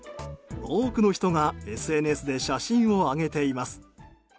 多くの人がＳＮＳで写真を上げています。